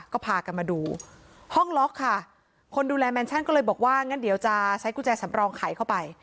ก็พากันมาดูห้องล็อกค่ะคนดูแลแมนชั่นก็เลยบอกว่างั้นเดี๋ยวจะใช้กุญแจสำรองไขเข้าไป